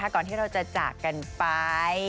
ก่อนที่เราจะจากกันไป